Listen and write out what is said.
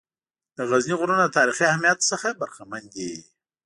د غزني غرونه د تاریخي اهمیّت څخه برخمن دي.